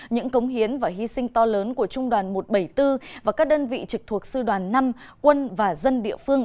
những cống hiến và hy sinh to lớn của trung đoàn một trăm bảy mươi bốn và các đơn vị trực thuộc sư đoàn năm quân và dân địa phương